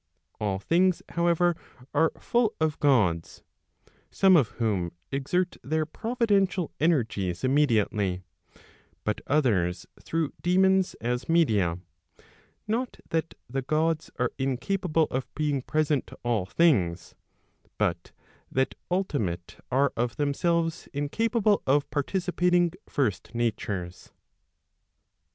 All things, how¬ ever, are full of Gods, some of whom exert their providential energies immediately, but others through daemons as media; not that the Gods are incapable of being present to all things, but that ultimate are of themselves incapable of participating first natures.